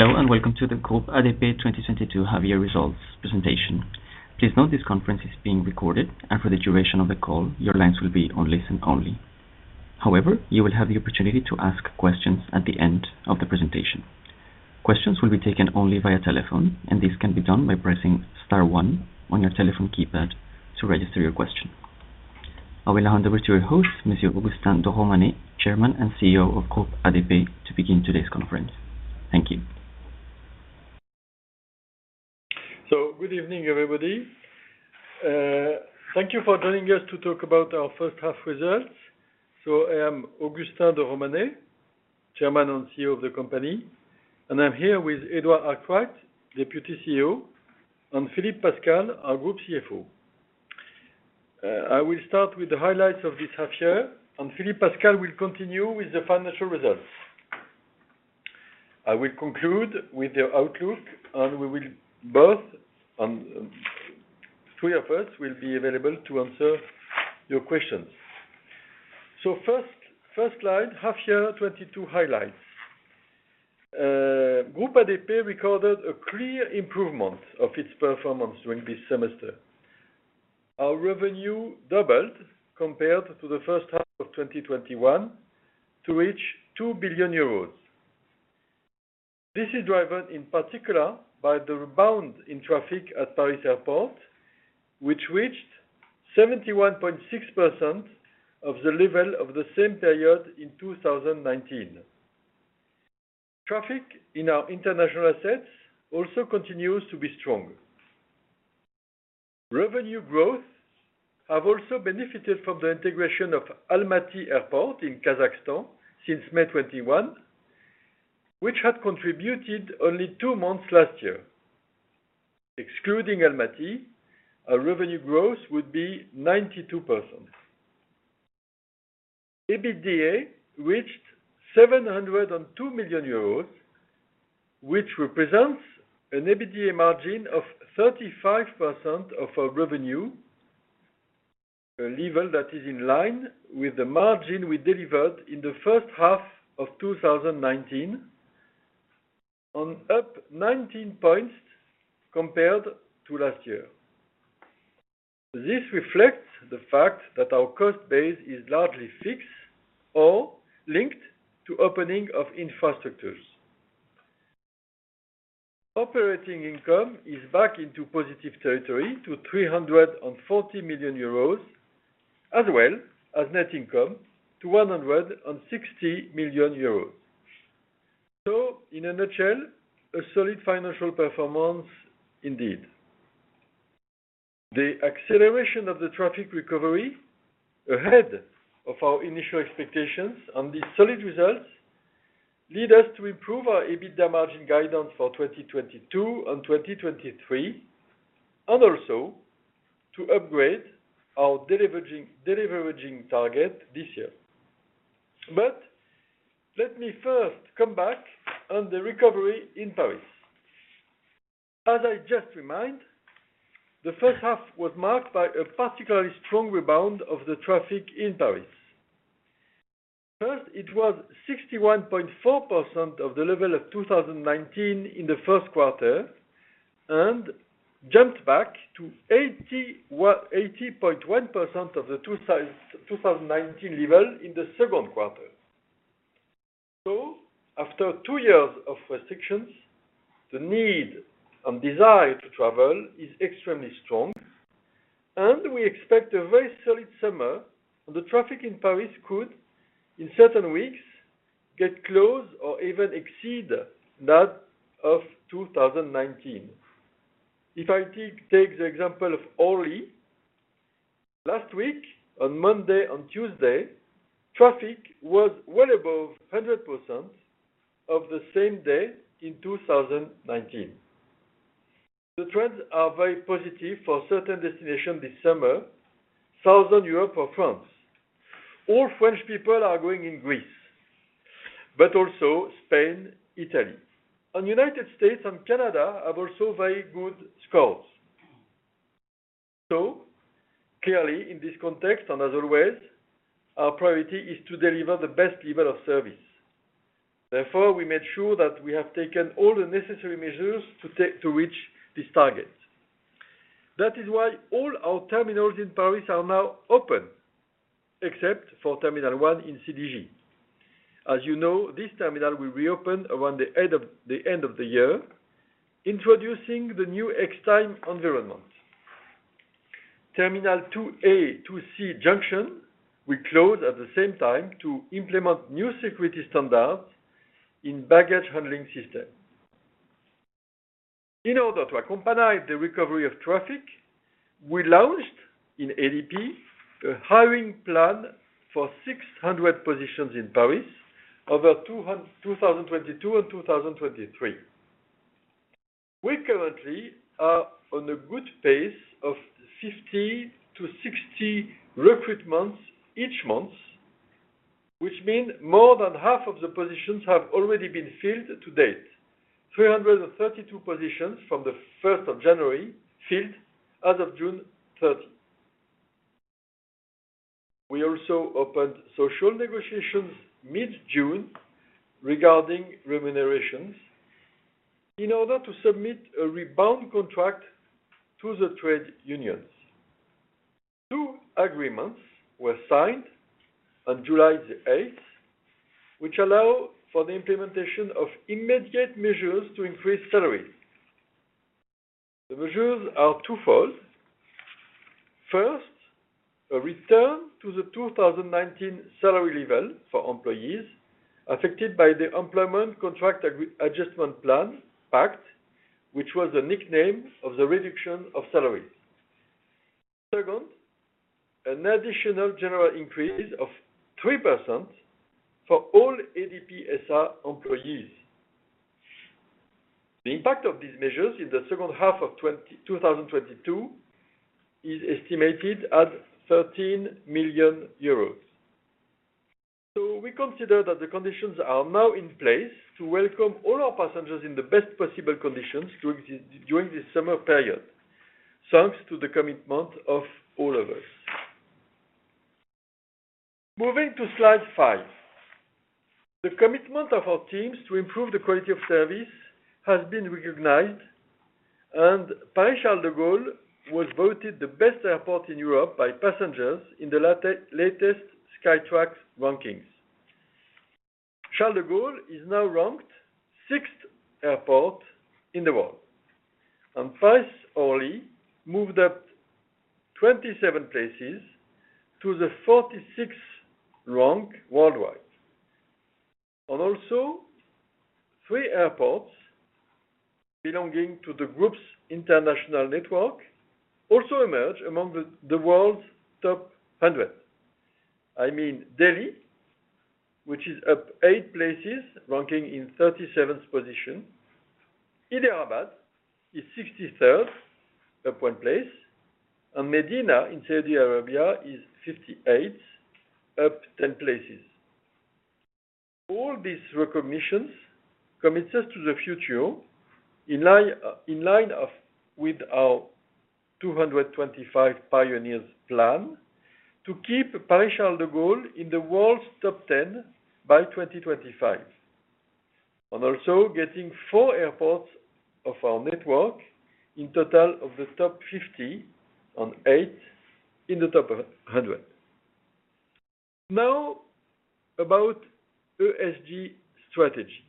Hello, and welcome to the Groupe ADP 2022 half-year results presentation. Please note this conference is being recorded, and for the duration of the call, your lines will be on listen-only. However, you will have the opportunity to ask questions at the end of the presentation. Questions will be taken only via telephone, and this can be done by pressing star one on your telephone keypad to register your question. I will hand over to your host, Monsieur Augustin de Romanet, Chairman and CEO of Groupe ADP, to begin today's conference. Thank you. Good evening, everybody. Thank you for joining us to talk about our first half results. I am Augustin de Romanet, Chairman and CEO of the company, and I'm here with Edward Arkwright, Deputy CEO, and Philippe Pascal, our Group CFO. I will start with the highlights of this half year and Philippe Pascal will continue with the financial results. I will conclude with the outlook, and the three of us will be available to answer your questions. First slide, half-year 2022 highlights. Groupe ADP recorded a clear improvement of its performance during this semester. Our revenue doubled compared to the first half of 2021 to reach 2 billion euros. This is driven in particular by the rebound in traffic at Paris Aéroport, which reached 71.6% of the level of the same period in 2019. Traffic in our international assets also continues to be strong. Revenue growth has also benefited from the integration of Almaty Airport in Kazakhstan since May 2021, which had contributed only two months last year. Excluding Almaty, our revenue growth would be 92%. EBITDA reached 702 million euros, which represents an EBITDA margin of 35% of our revenue, a level that is in line with the margin we delivered in the first half of 2019 up 19 points compared to last year. This reflects the fact that our cost base is largely fixed or linked to opening of infrastructures. Operating income is back into positive territory to 340 million euros, as well as net income to 160 million euros. In a nutshell, a solid financial performance indeed. The acceleration of the traffic recovery ahead of our initial expectations on these solid results lead us to improve our EBITDA margin guidance for 2022 and 2023, and also to upgrade our deleveraging target this year. Let me first come back on the recovery in Paris. As I just remind, the first half was marked by a particularly strong rebound of the traffic in Paris. First, it was 61.4% of the level of 2019 in the first quarter and jumped back to 80.1% of the 2019 level in the second quarter. After two years of restrictions, the need and desire to travel is extremely strong, and we expect a very solid summer. The traffic in Paris could, in certain weeks, get close or even exceed that of 2019. If I take the example of Orly, last week on Monday and Tuesday, traffic was well above 100% of the same day in 2019. The trends are very positive for certain destinations this summer, Southern Europe or France. All French people are going to Greece, but also Spain, Italy. United States and Canada have also very good scores. Clearly in this context and as always, our priority is to deliver the best level of service. Therefore, we made sure that we have taken all the necessary measures to reach this target. That is why all our terminals in Paris are now open, except for Terminal 1 in CDG. As you know, this terminal will reopen around the end of the year, introducing the new Extime environment. Terminal 2A, 2C junction will close at the same time to implement new security standards in baggage handling system. In order to accompany the recovery of traffic, we launched in ADP a hiring plan for 600 positions in Paris over 2022 and 2023. We currently are on a good pace of 50 recruitments-60 recruitments each month, which means more than half of the positions have already been filled to date. 332 positions from the 1st of January filled as of June 30. We also opened social negotiations mid-June regarding remunerations in order to submit a rebound contract to the trade unions. Two agreements were signed on July 8th, which allow for the implementation of immediate measures to increase salary. The measures are twofold. First, a return to the 2019 salary level for employees affected by the employment contract adjustment plan, PACT, which was the nickname of the reduction of salary. Second, an additional general increase of 3% for all ADP S.A. employees. The impact of these measures in the second half of 2022 is estimated at 13 million euros. We consider that the conditions are now in place to welcome all our passengers in the best possible conditions during this summer period, thanks to the commitment of all of us. Moving to slide five. The commitment of our teams to improve the quality of service has been recognized, and Paris Charles de Gaulle was voted the best airport in Europe by passengers in the latest Skytrax rankings. Charles de Gaulle is now ranked 6th airport in the world, and Paris Orly moved up 27 places to the 46th rank worldwide. Also, three airports belonging to the group's international network also emerge among the world's top 100. I mean Delhi, which is up eight places, ranking in 37th position. Hyderabad is 63rd, up one place, and Medina in Saudi Arabia is 58th, up 10 places. All these recognitions commit us to the future, in line with our 2025 Pioneers plan to keep Paris Charles de Gaulle in the world's top ten by 2025, and also getting four airports of our network in total of the top 50 and eight in the top 100. Now, about ESG strategy.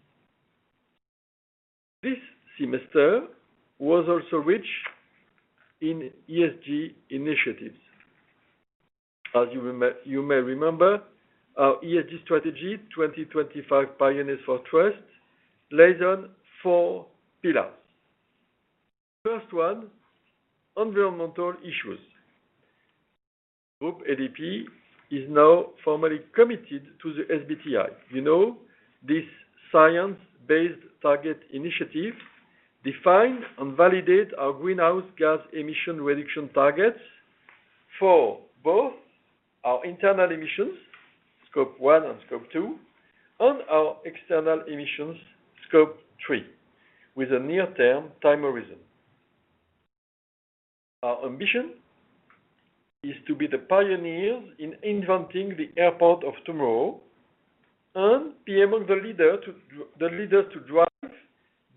This semester was also rich in ESG initiatives. As you may remember, our ESG strategy, 2025 Pioneers for Trust, lays on four pillars. First one, environmental issues. Group ADP is now formally committed to the SBTI. You know, this Science-Based Targets initiative define and validate our greenhouse gas emission reduction targets for both our internal emissions, Scope 1 and Scope 2, and our external emissions, Scope 3, with a near-term time horizon. Our ambition is to be the pioneers in inventing the airport of tomorrow and be among the leader to the leader to drive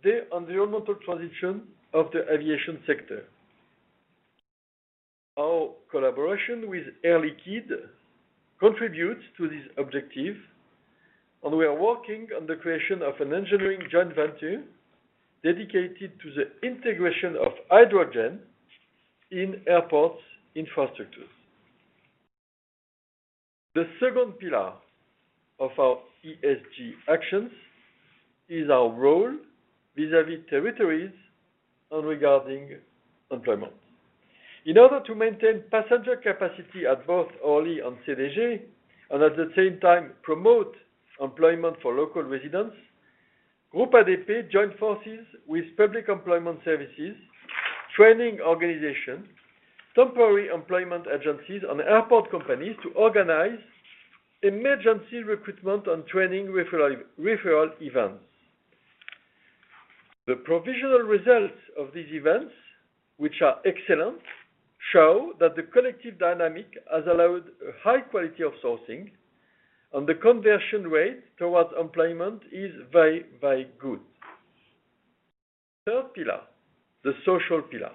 the environmental transition of the aviation sector. Our collaboration with Air Liquide contributes to this objective, and we are working on the creation of an engineering joint venture dedicated to the integration of hydrogen in airport infrastructures. The second pillar of our ESG actions is our role vis-à-vis territories and regarding employment. In order to maintain passenger capacity at both Orly and CDG, and at the same time promote employment for local residents, Groupe ADP joined forces with public employment services, training organizations, temporary employment agencies, and airport companies to organize emergency recruitment and training referral events. The provisional results of these events, which are excellent, show that the collective dynamic has allowed a high quality of sourcing and the conversion rate towards employment is very, very good. Third pillar, the social pillar.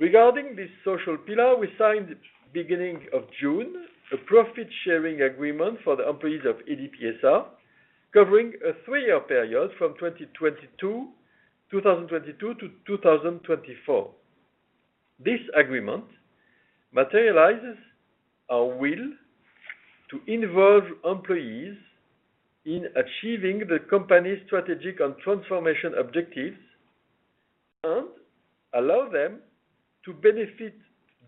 Regarding this social pillar, we signed beginning of June a profit-sharing agreement for the employees of ADP S.A. covering a three-year period from 2022 to 2024. This agreement materializes our will to involve employees in achieving the company's strategic and transformation objectives and allow them to benefit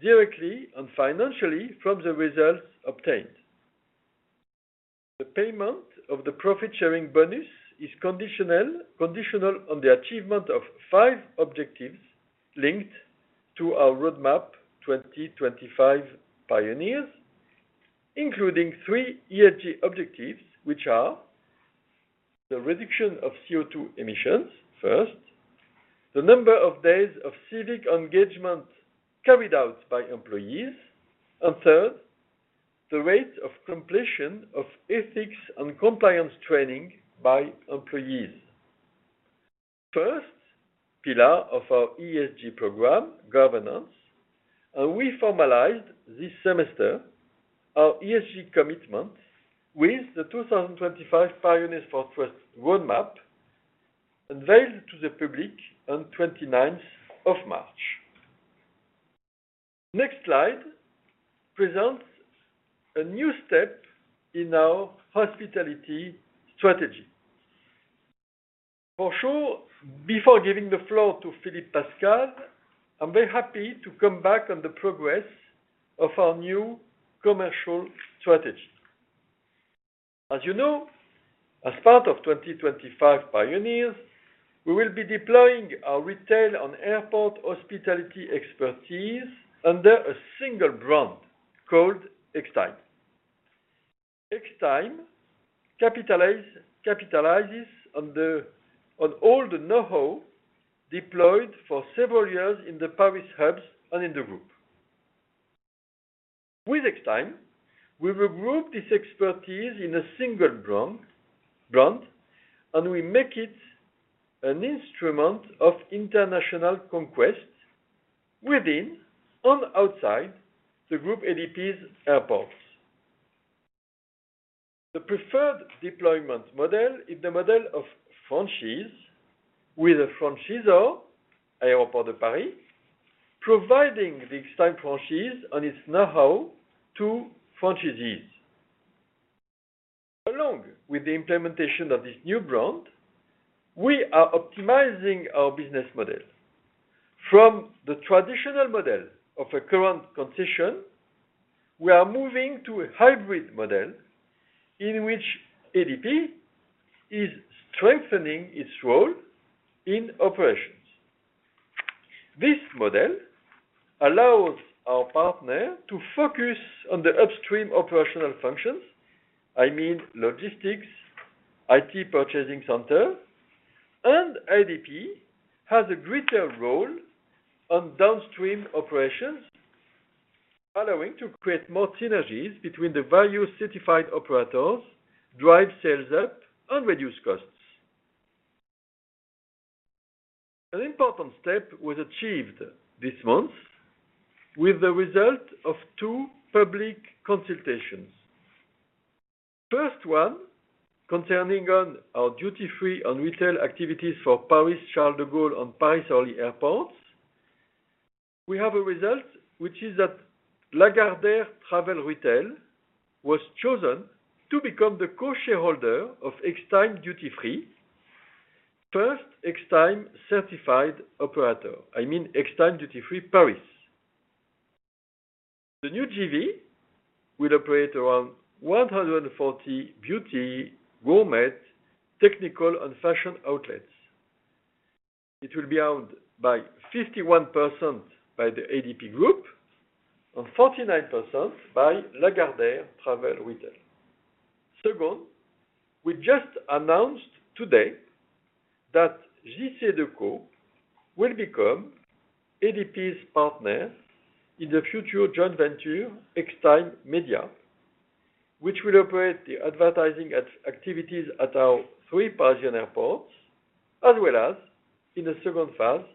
directly and financially from the results obtained. The payment of the profit-sharing bonus is conditional on the achievement of five objectives linked to our roadmap 2025 Pioneers, including three ESG objectives, which are first the reduction of CO2 emissions, the number of days of civic engagement carried out by employees, and third the rate of completion of ethics and compliance training by employees. First pillar of our ESG program, governance. We formalized this semester our ESG commitment with the 2025 Pioneers For Trust roadmap, unveiled to the public on 29th of March. Next slide presents a new step in our hospitality strategy. For sure, before giving the floor to Philippe Pascal, I'm very happy to come back on the progress of our new commercial strategy. As you know, as part of 2025 Pioneers, we will be deploying our retail and airport hospitality expertise under a single brand called Extime. Extime capitalizes on all the know-how deployed for several years in the Paris hubs and in the group. With Extime, we regroup this expertise in a single brand and we make it an instrument of international conquest within and outside the Groupe ADP's airports. The preferred deployment model is the model of franchise with a franchisor, Aéroports de Paris, providing the Extime franchise and its know-how to franchisees. Along with the implementation of this new brand, we are optimizing our business model. From the traditional model of a current concession, we are moving to a hybrid model in which ADP is strengthening its role in operations. This model allows our partner to focus on the upstream operational functions. I mean logistics, IT purchasing center, and ADP has a greater role on downstream operations, allowing to create more synergies between the value certified operators, drive sales up, and reduce costs. An important step was achieved this month with the result of two public consultations. First one, concerning our duty-free and retail activities for Paris Charles de Gaulle and Paris Orly airports, we have a result which is that Lagardère Travel Retail was chosen to become the co-shareholder of Extime Duty Free. First Extime certified operator, I mean Extime Duty Free Paris. The new JV will operate around 1,040 beauty, gourmet, technical, and fashion outlets. It will be owned by 51% by the ADP Group and 49% by Lagardère Travel Retail. Second, we just announced today that JCDecaux will become ADP's partner in the future joint venture, Extime Media, which will operate the advertising activities at our three Parisian airports, as well as in the second phase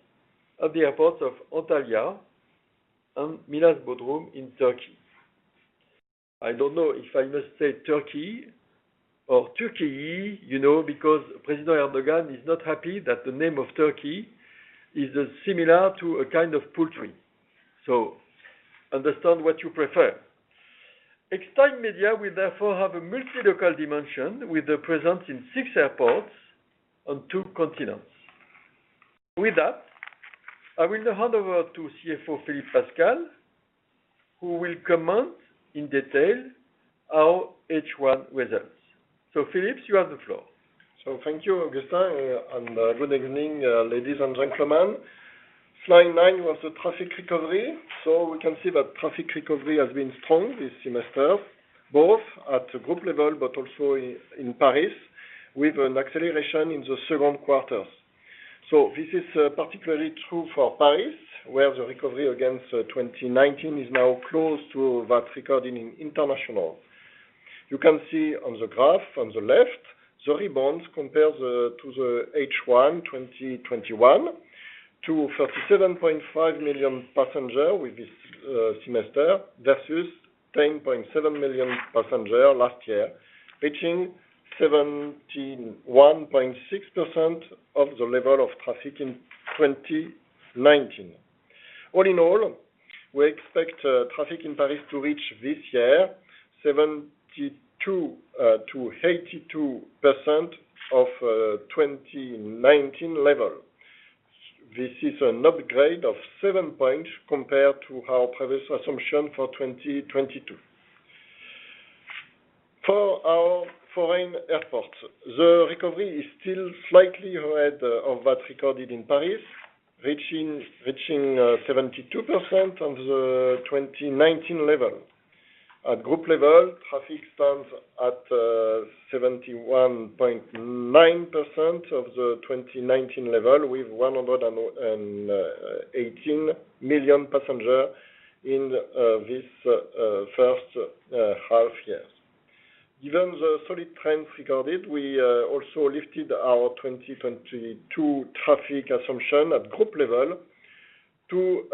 of the airports of Antalya and Milas-Bodrum in Turkey. I don't know if I must say Turkey or Turkey, you know, because President Erdogan is not happy that the name of Turkey is similar to a kind of poultry. Understand what you prefer. Extime Media will therefore have a multi-local dimension with a presence in six airports on two continents. With that, I will now hand over to CFO Philippe Pascal, who will comment in detail our H1 results. Philippe, you have the floor. Thank you, Augustin, and good evening, ladies and gentlemen. Slide nine was the traffic recovery. We can see that traffic recovery has been strong this semester, both at the group level but also in Paris, with an acceleration in the second quarter. This is particularly true for Paris, where the recovery against 2019 is now close to that recorded in international. You can see on the graph on the left, the rebounds compared to the H1 2021 to 37.5 million passengers with this semester versus 10.7 million passengers last year, reaching 71.6% of the level of traffic in 2019. All in all, we expect traffic in Paris to reach this year 72%-82% of 2019 level. This is an upgrade of 7 points compared to our previous assumption for 2022. For our foreign airports, the recovery is still slightly ahead of what's recorded in Paris, reaching 72% of the 2019 level. At group level, traffic stands at 71.9% of the 2019 level, with 118 million passengers in this first half year. Given the solid trends recorded, we also lifted our 2022 traffic assumption at group level to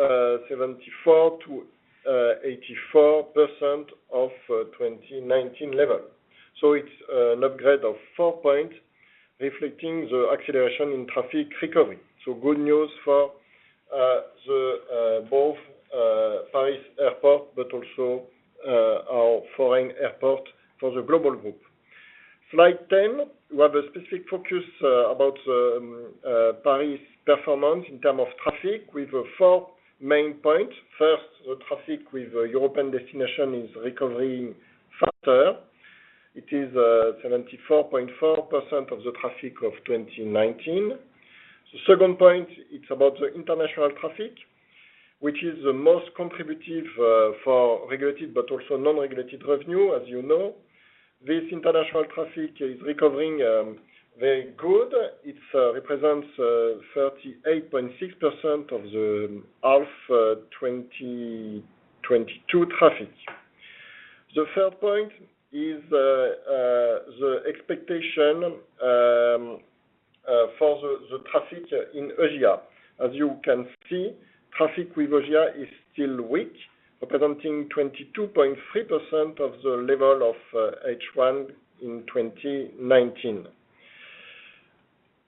74%-84% of 2019 level. It's an upgrade of 4 points, reflecting the acceleration in traffic recovery. Good news for both Paris Aéroport, but also our foreign airports for the global group. Slide 10, we have a specific focus about Paris performance in terms of traffic with four main points. First, the traffic with European destination is recovering faster. It is 74.4% of the traffic of 2019. The second point, it's about the international traffic, which is the most contributive for regulated but also non-regulated revenue, as you know. This international traffic is recovering very good. It represents 38.6% of the half 2022 traffic. The third point is the expectation for the traffic in Asia. As you can see, traffic with Asia is still weak, representing 22.3% of the level of H1 in 2019.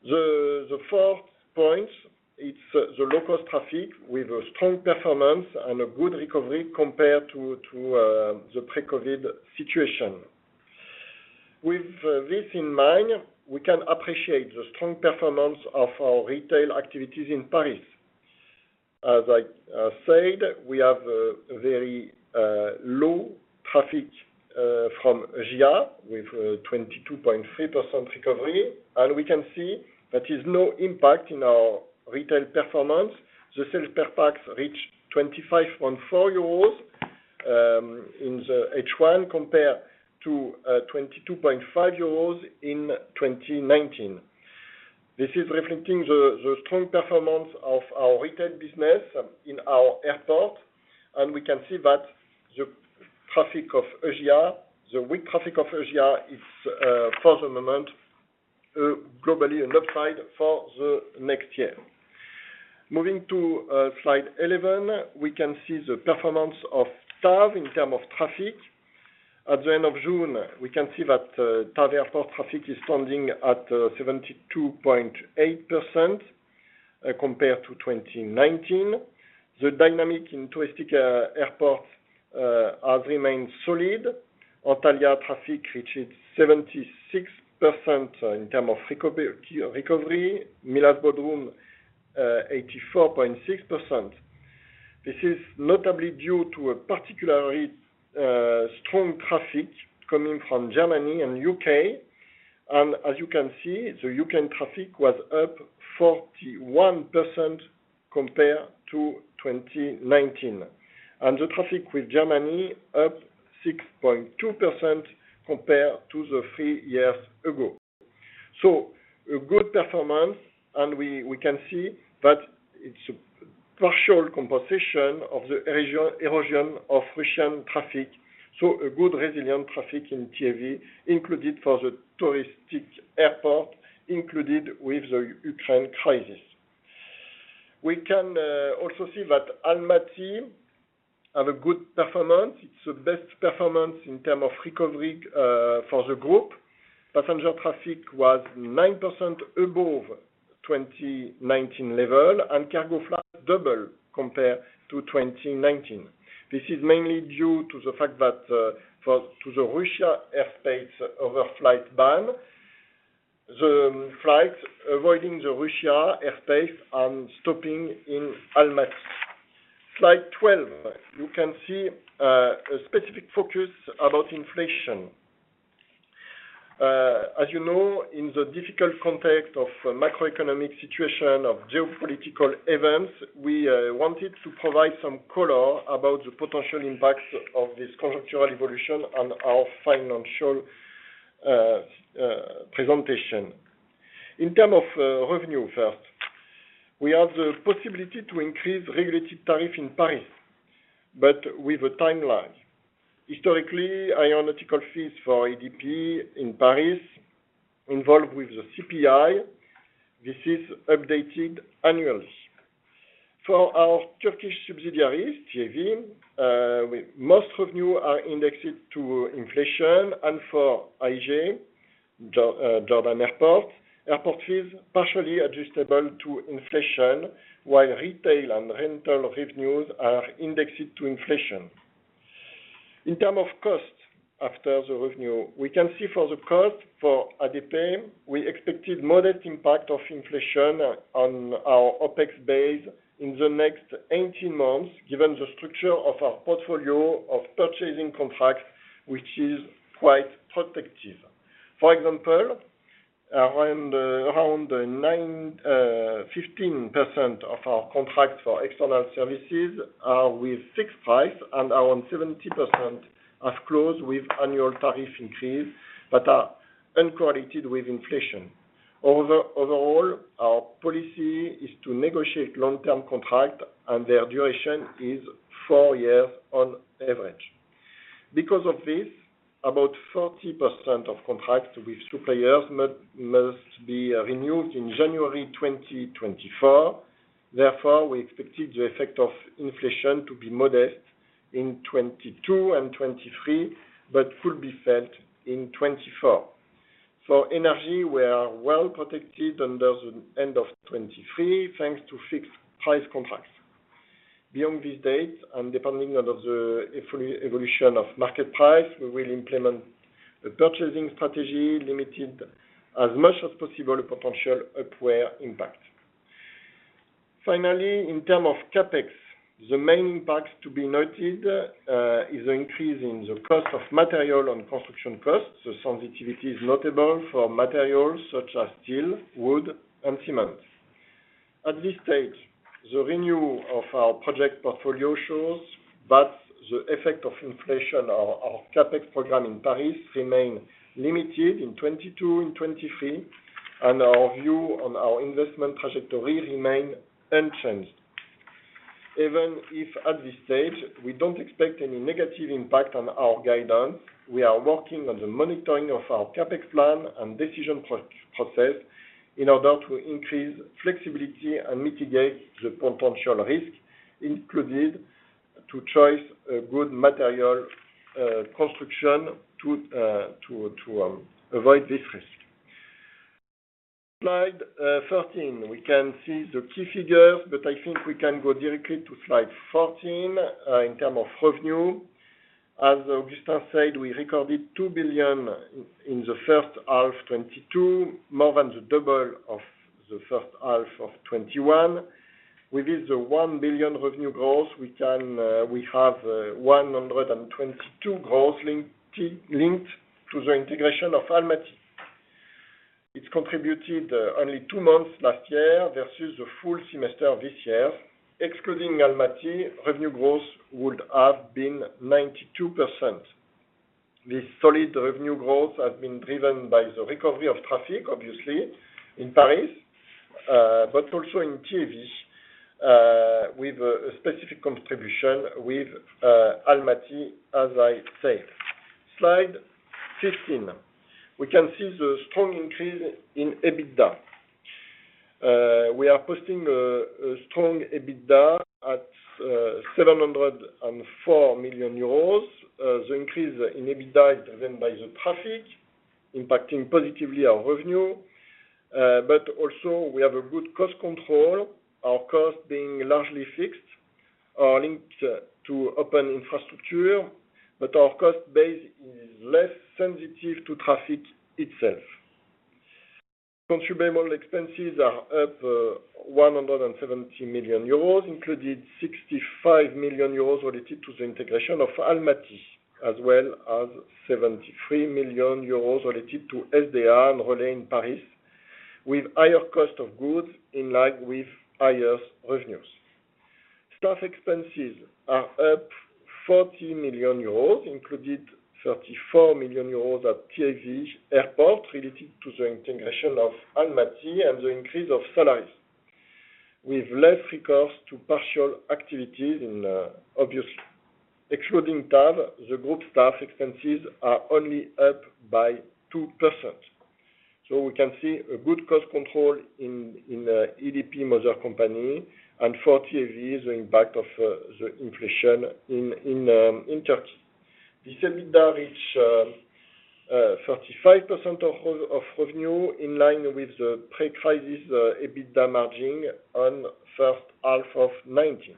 The fourth point, it's the low-cost traffic with a strong performance and a good recovery compared to the pre-COVID situation. With this in mind, we can appreciate the strong performance of our retail activities in Paris. As I said, we have a very low traffic from Asia with a 22.3% recovery, and we can see that has no impact in our retail performance. The sales per pax reached 25.4 euros in the H1 compared to 22.5 euros in 2019. This is reflecting the strong performance of our retail business in our airport, and we can see that the traffic of Asia, the weak traffic of Asia is, for the moment, not a downside for the next year. Moving to slide 11, we can see the performance of TAV in terms of traffic. At the end of June, we can see that TAV Airport traffic is standing at 72.8% compared to 2019. The dynamic in touristic airports has remained solid. Antalya traffic reached 76% in terms of recovery. Milas-Bodrum 84.6%. This is notably due to a particularly strong traffic coming from Germany and U.K. As you can see, the U.K. traffic was up 41% compared to 2019, and the traffic with Germany up 6.2% compared to three years ago. A good performance, and we can see that it's a partial compensation of the erosion of Russian traffic. A good resilient traffic in TAV included for the touristic airport, included with the Ukraine crisis. We can also see that Almaty has a good performance. It's the best performance in terms of recovery for the group. Passenger traffic was 9% above 2019 level and cargo flights doubled compared to 2019. This is mainly due to the fact that the Russian airspace overflight ban, the flights avoiding the Russian airspace and stopping in Almaty. Slide 12, you can see a specific focus about inflation. As you know, in the difficult context of macroeconomic situation, of geopolitical events, we wanted to provide some color about the potential impacts of this contractual evolution on our financial presentation. In terms of revenue first, we have the possibility to increase regulated tariff in Paris, but with a timeline. Historically, aeronautical fees for ADP in Paris involve with the CPI. This is updated annually. For our Turkish subsidiaries, TAV, most revenue are indexed to inflation. For Airport International Group, airport fees partially adjustable to inflation, while retail and rental revenues are indexed to inflation. In terms of cost, after the revenue, we can see for the cost for ADP, we expected modest impact of inflation on our OpEx base in the next 18 months, given the structure of our portfolio of purchasing contracts, which is quite protective. For example, around 9%-15% of our contracts for external services are with fixed price and around 70% have clauses with annual tariff increase, but are uncorrelated with inflation. Overall, our policy is to negotiate long-term contract and their duration is four years on average. Because of this, about 40% of contracts with suppliers must be renewed in January 2024. Therefore, we expected the effect of inflation to be modest in 2022 and 2023, but fully felt in 2024. For energy, we are well protected until the end of 2023, thanks to fixed price contracts. Beyond these dates, and depending on the evolution of market price, we will implement a purchasing strategy limited as much as possible potential upward impact. Finally, in terms of CapEx, the main impacts to be noted is the increase in the cost of material and construction costs. The sensitivity is notable for materials such as steel, wood, and cement. At this stage, the review of our project portfolio shows that the effect of inflation on our CapEx program in Paris remain limited in 2022 and 2023, and our view on our investment trajectory remain unchanged. Even if at this stage, we don't expect any negative impact on our guidance, we are working on the monitoring of our CapEx plan and decision process in order to increase flexibility and mitigate the potential risk incurred in choosing a good material, construction to avoid this risk. Slide 13, we can see the key figures, but I think we can go directly to Slide 14. In terms of revenue, as Augustin said, we recorded 2 billion in the first half 2022, more than double the first half of 2021. Within the 1 billion revenue growth, we have 122 million growth linked to the integration of Almaty. It contributed only two months last year versus the full semester this year. Excluding Almaty, revenue growth would have been 92%. This solid revenue growth has been driven by the recovery of traffic, obviously in Paris, but also in TAV, with a specific contribution with Almaty, as I said. Slide 15. We can see the strong increase in EBITDA. We are posting a strong EBITDA at 704 million euros. The increase in EBITDA is driven by the traffic impacting positively our revenue. Also we have a good cost control, our cost being largely fixed, linked to open infrastructure, but our cost base is less sensitive to traffic itself. Concession expenses are up 170 million euros, including 65 million euros related to the integration of Almaty, as well as 73 million euros related to SDA and Relay in Paris, with higher cost of goods in line with higher revenues. Staff expenses are up 40 million euros, including 34 million euros at TAV Airports related to the integration of Almaty and the increase of salaries. With less recourse to partial activities in, obviously excluding TAV, the group staff expenses are only up by 2%. We can see a good cost control in ADP mother company and for TAV, the impact of the inflation in Turkey. This EBITDA reaches 35% of revenue in line with the pre-crisis EBITDA margin on first half of 2019.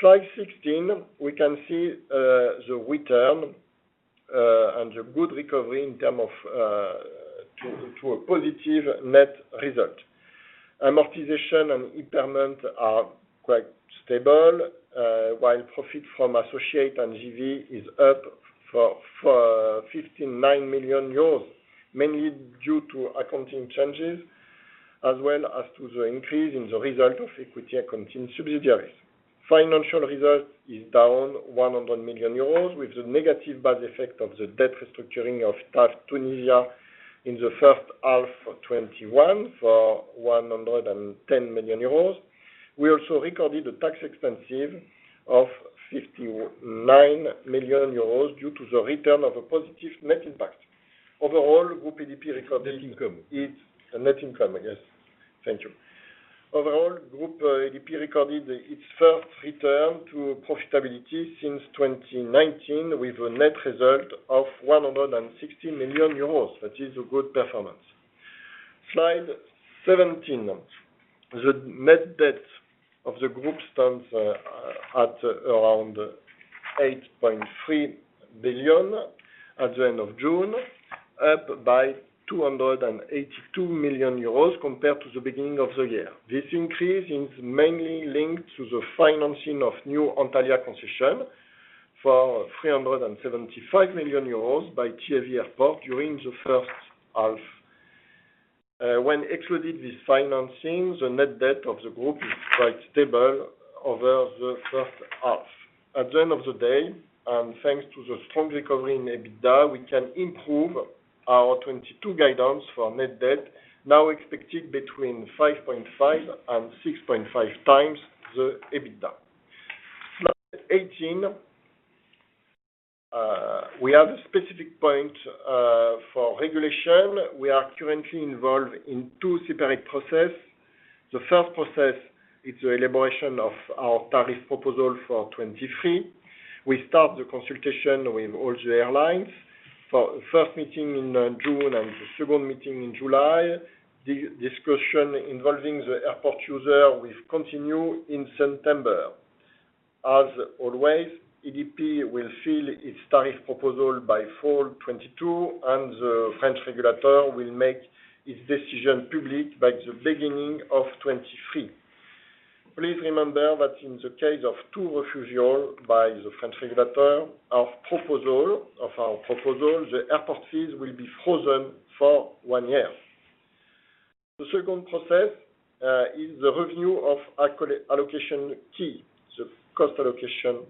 Slide 16, we can see the return and the good recovery in terms of a positive net result. Amortization and impairment are quite stable, while profit from associate and JV is up for 59 million euros, mainly due to accounting changes, as well as to the increase in the result of equity accounting subsidiaries. Financial result is down 100 million euros with the negative impact of the debt restructuring of TAV Tunisia in the first half of 2021 for 110 million euros. We also recorded a tax expense of 59 million euros due to the return of a positive net impact. Overall, Groupe ADP recorded- Net income. Its net income. Yes. Thank you. Overall, Groupe ADP recorded its first return to profitability since 2019 with a net result of 160 million euros. That is a good performance. Slide 17. The net debt of the group stands at around 8.3 billion at the end of June, up by 282 million euros compared to the beginning of the year. This increase is mainly linked to the financing of new Antalya concession for 375 million euros by TAV Airports during the first half. When excluded this financing, the net debt of the group is quite stable over the first half. At the end of the day, thanks to the strong recovery in EBITDA, we can improve our 2022 guidance for net debt, now expected between 5.5x and 6.5x the EBITDA. Slide 18. We have a specific point for regulation. We are currently involved in two separate processes. The first process is the elaboration of our tariff proposal for 2023. We start the consultation with all the airlines for first meeting in June and the second meeting in July. Discussion involving the airport users will continue in September. As always, ADP will file its tariff proposal by fall 2022, and the French regulator will make its decision public by the beginning of 2023. Please remember that in the case of two refusals by the French regulator, our proposal, the airport fees will be frozen for one year. The second process is the review of cost allocation key, the cost allocation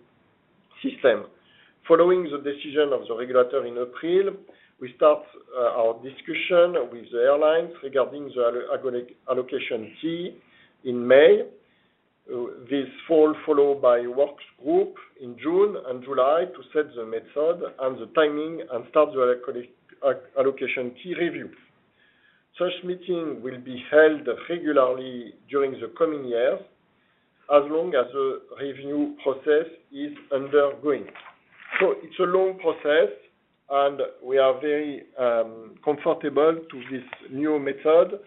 system. Following the decision of the regulator in April, we start our discussion with the airlines regarding the cost allocation key in May. This fall followed by working group in June and July to set the method and the timing and start the allocation key review. Such meeting will be held regularly during the coming years as long as the review process is ongoing. It's a long process and we are very comfortable with this new method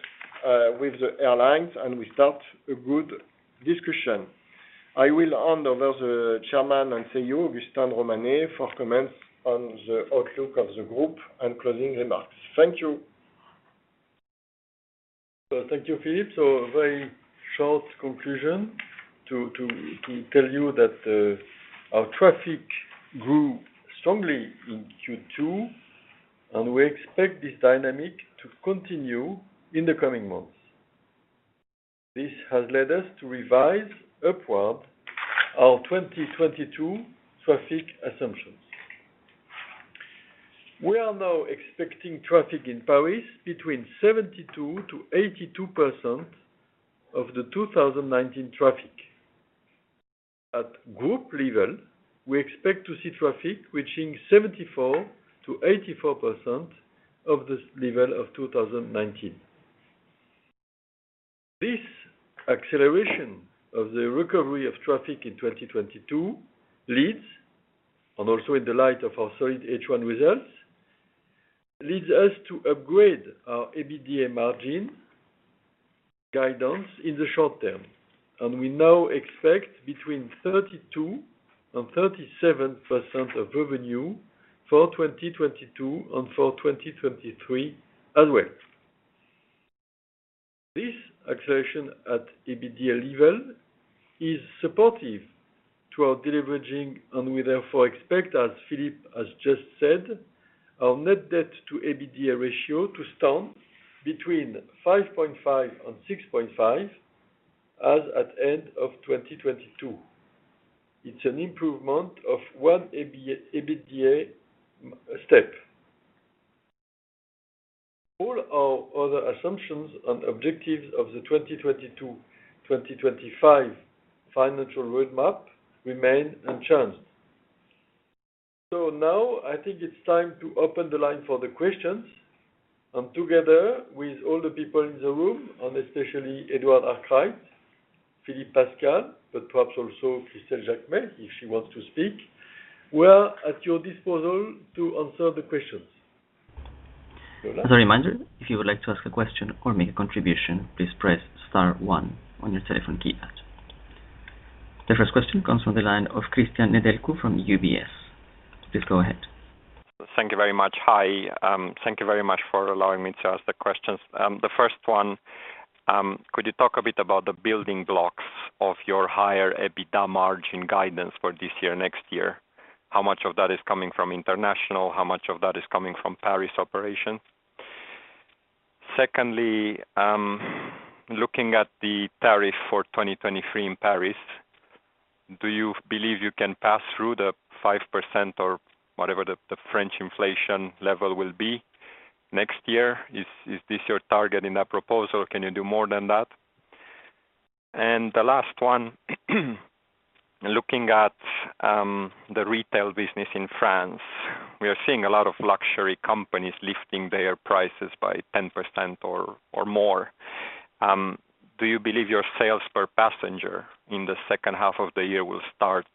with the airlines and we start a good discussion. I will hand over to the Chairman and CEO, Augustin de Romanet, for comments on the outlook of the group and closing remarks. Thank you. Thank you, Philippe. Very short conclusion to tell you that our traffic grew strongly in Q2 and we expect this dynamic to continue in the coming months. This has led us to revise upward our 2022 traffic assumptions. We are now expecting traffic in Paris between 72%-82% of the 2019 traffic. At group level, we expect to see traffic reaching 74%-84% of this level of 2019. This acceleration of the recovery of traffic in 2022 leads, and also in the light of our solid H1 results, leads us to upgrade our EBITDA margin guidance in the short term. We now expect between 32% and 37% of revenue for 2022 and for 2023 as well. This acceleration at EBITDA level is supportive to our deleveraging, and we therefore expect, as Philippe has just said, our net debt to EBITDA ratio to stand between 5.5x and 6.5x as at end of 2022. It's an improvement of one EBITDA step. All our other assumptions and objectives of the 2022/2025 financial roadmap remain unchanged. Now I think it's time to open the line for the questions and together with all the people in the room, and especially Edward Arkwright, Philippe Pascal, but perhaps also Christelle de Robillard, if she wants to speak, we are at your disposal to answer the questions. Lola? As a reminder, if you would like to ask a question or make a contribution, please press star one on your telephone keypad. The first question comes from the line of Cristian Nedelcu from UBS. Please go ahead. Thank you very much. Hi, thank you very much for allowing me to ask the questions. The first one, could you talk a bit about the building blocks of your higher EBITDA margin guidance for this year, next year? How much of that is coming from international? How much of that is coming from Paris operation? Secondly, looking at the tariff for 2023 in Paris, do you believe you can pass through the 5% or whatever the French inflation level will be next year? Is this your target in that proposal? Can you do more than that? The last one, looking at the retail business in France, we are seeing a lot of luxury companies lifting their prices by 10% or more. Do you believe your sales per passenger in the second half of the year will start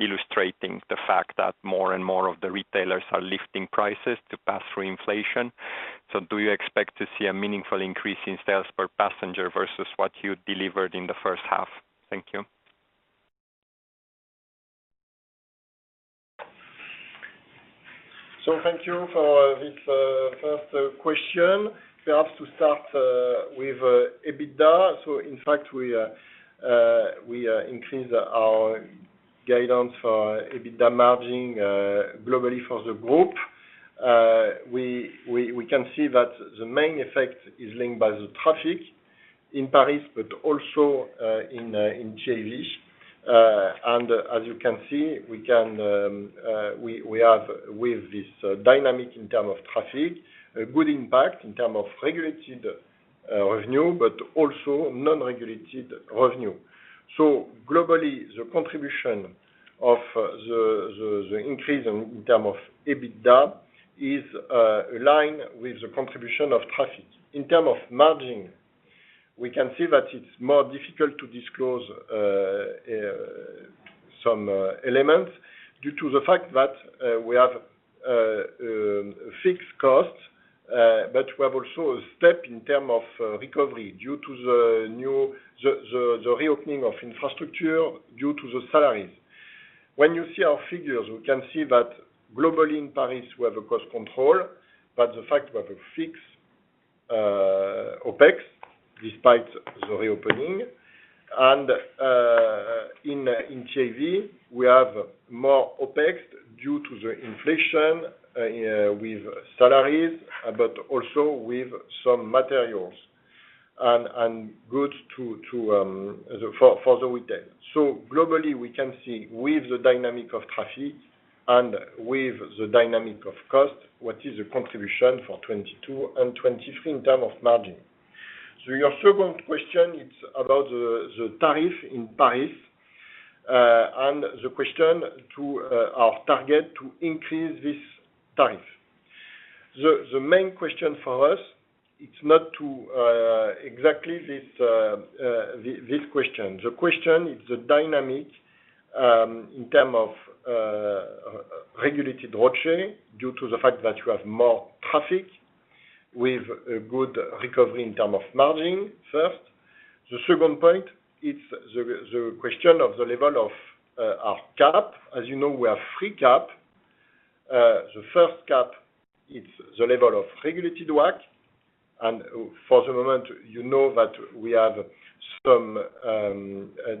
illustrating the fact that more and more of the retailers are lifting prices to pass through inflation? Do you expect to see a meaningful increase in sales per passenger versus what you delivered in the first half? Thank you. Thank you for this first question. Perhaps to start with EBITDA. In fact, we increased our guidance for EBITDA margin globally for the group. We can see that the main effect is linked by the traffic in Paris, but also in JV. As you can see, we have with this dynamic in terms of traffic a good impact in terms of regulated revenue, but also non-regulated revenue. Globally, the contribution of the increase in terms of EBITDA is aligned with the contribution of traffic. In terms of margin, we can see that it's more difficult to disclose some elements due to the fact that we have fixed costs, but we have also a step in terms of recovery due to the reopening of infrastructure due to the salaries. When you see our figures, we can see that globally in Paris, we have a cost control, but the fact we have a fixed OpEx despite the reopening. In JV, we have more OpEx due to the inflation with salaries, but also with some materials and goods for the retail. Globally, we can see with the dynamic of traffic and with the dynamic of cost, what is the contribution for 2022 and 2023 in terms of margin. Your second question, it's about the tariff in Paris, and the question to our target to increase this tariff. The main question for us, it's not exactly this question. The question is the dynamics in terms of regulated revenue due to the fact that you have more traffic with a good recovery in terms of margin, first. The second point, it's the question of the level of our cap. As you know, we have three caps. The first cap, it's the level of regulated work. For the moment, you know that we have some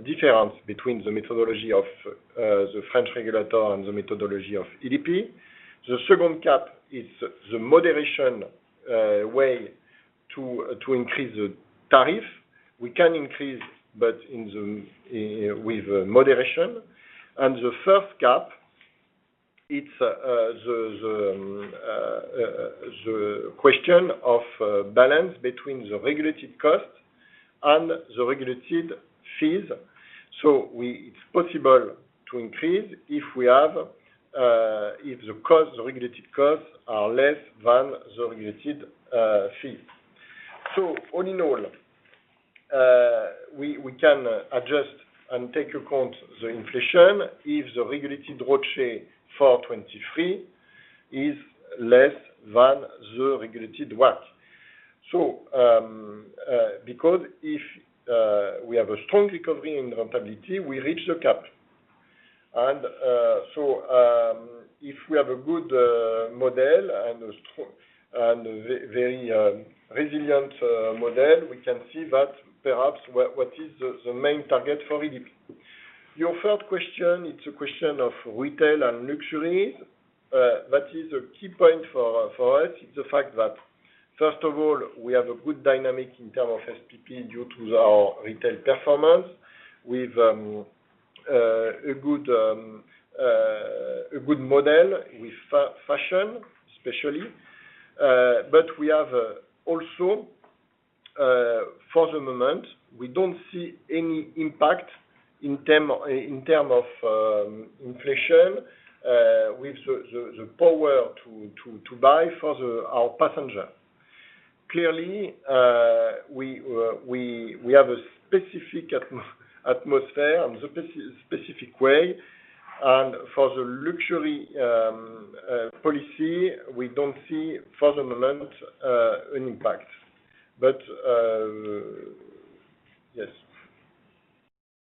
difference between the methodology of the French regulator and the methodology of ADP. The second cap is the moderated way to increase the tariff. We can increase, but with moderation. The third cap, it's the question of balance between the regulated costs and the regulated fees. It's possible to increase if the regulated costs are less than the regulated fees. All in all, we can adjust and take into account the inflation if the regulated revenue for 2023 is less than the regulated cap. Because if we have a strong recovery in profitability, we reach the cap. If we have a good model and a very resilient model, we can see that perhaps what is the main target for ADP. Your third question, it's a question of retail and luxury. That is a key point for us. It's the fact that, first of all, we have a good dynamic in terms of SPP due to our retail performance with a good model with fashion especially. We have also, for the moment, we don't see any impact in terms of inflation with the power to buy for our passenger. Clearly, we have a specific atmosphere and the specific way. For the luxury policy, we don't see for the moment an impact. Yes.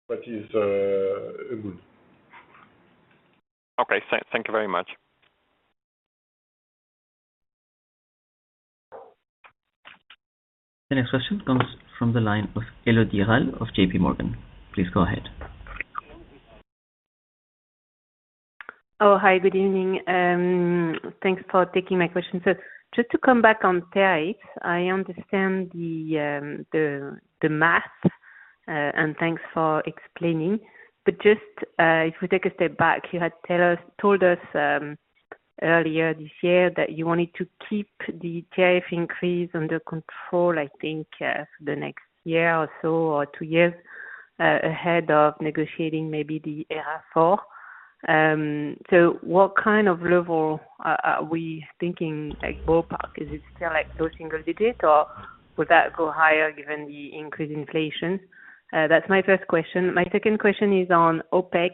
That is good. Okay. Thank you very much. The next question comes from the line of Elodie Rall of JPMorgan. Please go ahead. Oh, hi. Good evening. Thanks for taking my question, sir. Just to come back on tariffs, I understand the math, and thanks for explaining. Just if we take a step back, you told us earlier this year that you wanted to keep the tariff increase under control, I think, for the next year or so or two years ahead of negotiating maybe the ERA 4. What kind of level are we thinking, like ballpark? Is it still like low single digits, or would that go higher given the increased inflation? That's my first question. My second question is on OpEx.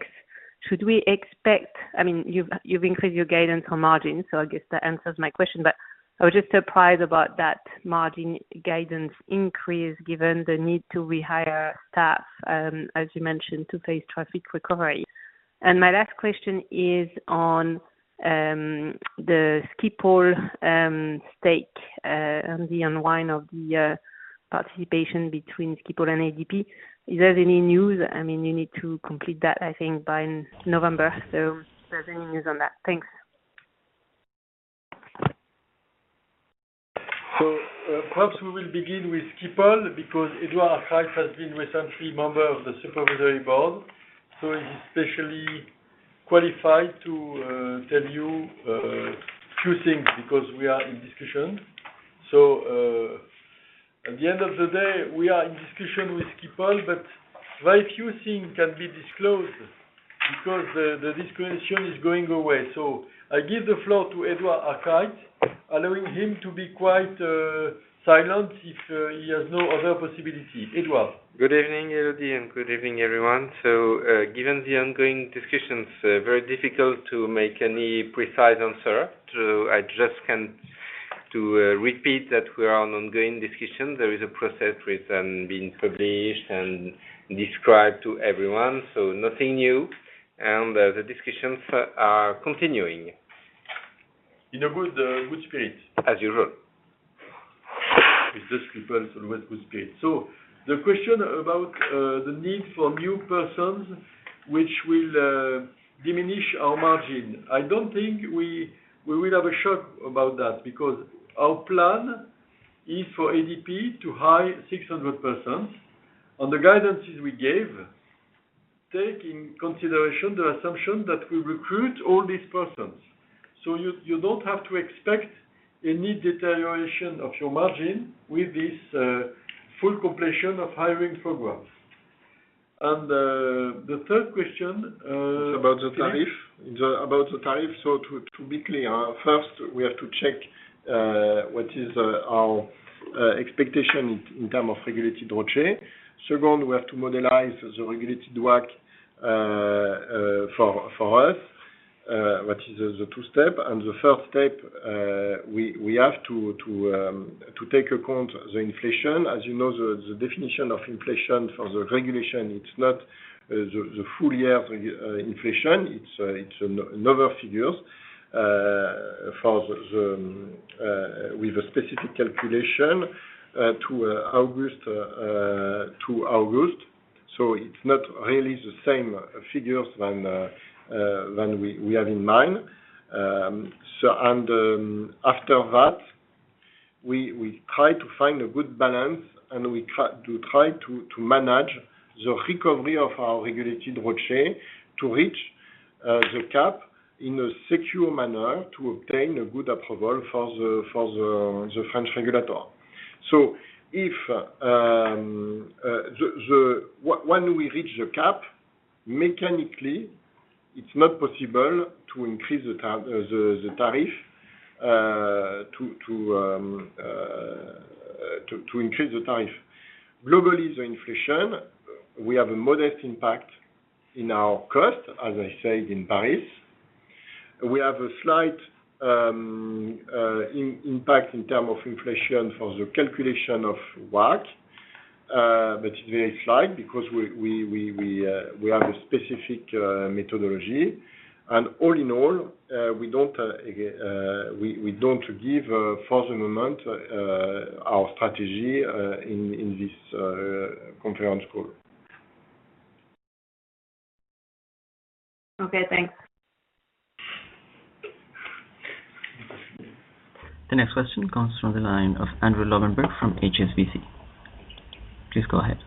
Should we expect? I mean, you've increased your guidance on margin, so I guess that answers my question. I was just surprised about that margin guidance increase given the need to rehire staff, as you mentioned, to face traffic recovery. My last question is on the Schiphol stake and the unwind of the participation between Schiphol and ADP. Is there any news? I mean, you need to complete that, I think by November. Is there any news on that? Thanks. Perhaps we will begin with Schiphol because Edward Arkwright has been recently member of the supervisory board, so he's especially qualified to tell you two things because we are in discussion. At the end of the day, we are in discussion with Schiphol, but very few things can be disclosed because the discussion is ongoing. I give the floor to Edward Arkwright, allowing him to be quite silent if he has no other possibility. Edward? Good evening, Elodie, and good evening, everyone. Given the ongoing discussions, very difficult to make any precise answer. I just want to repeat that we are in ongoing discussions. There is a process which has been published and described to everyone, so nothing new. The discussions are continuing. In a good spirit. As usual. With just Schiphol, it's always good spirit. The question about the need for new persons, which will diminish our margin. I don't think we will have a shock about that because our plan is for ADP to hire 600 persons. On the guidances we gave, taking into consideration the assumption that we recruit all these persons. You don't have to expect any deterioration of your margin with this full completion of hiring progress. The third question. It's about the tariff. Philippe? About the tariff. To be clear, first we have to check what is our expectation in terms of regulated ROCE. Second, we have to model the regulated WACC for us, which is the two-step. The third step, we have to take into account the inflation. As you know, the definition of inflation for the regulation, it's not the full year inflation. It's another figure with a specific calculation from August to August. It's not really the same figure as we have in mind. After that, we try to find a good balance, and we try to manage the recovery of our regulated ROCE to reach the cap in a secure manner to obtain a good approval for the French regulator. When we reach the cap, mechanically, it's not possible to increase the tariff. Globally, the inflation, we have a modest impact in our cost, as I said, in Paris. We have a slight impact in terms of inflation for the calculation of WACC. But it's very slight because we have a specific methodology. All in all, we don't give, for the moment, our strategy in this conference call. Okay, thanks. The next question comes from the line of Andrew Lobbenberg from HSBC. Please go ahead.